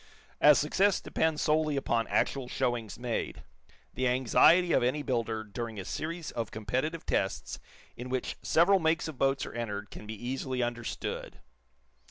As success depends solely upon actual showings made, the anxiety of any builder during a series of competitive tests in which several makes of boat are entered can be easily understood.